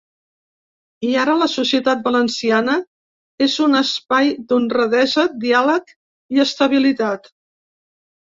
I, ara, la societat valenciana és un espai d’honradesa, diàleg i estabilitat.